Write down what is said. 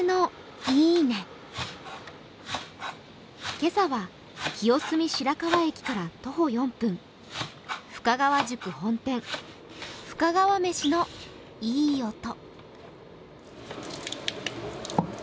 今朝は清澄白河駅から徒歩４分深川宿本店、深川めしのいい音。